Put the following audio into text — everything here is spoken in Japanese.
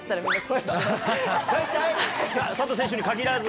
佐藤選手に限らず？